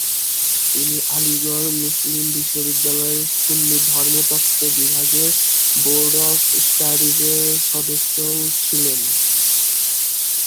তিনি আলিগড় মুসলিম বিশ্ববিদ্যালয়ের সুন্নি ধর্মতত্ত্ব বিভাগের বোর্ড অফ স্টাডিজের সদস্যও ছিলেন।